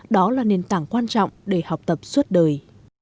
đó là nền tảng quan trọng để học tập suốt đời